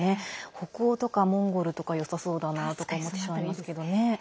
北欧とかモンゴルとかよさそうだなと思ってしまいますけどね。